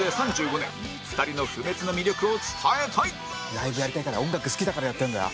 ライブやりたいから音楽好きだからやってるんだよ。